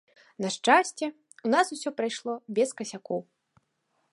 На шчасце, у нас усё прайшло без касякоў.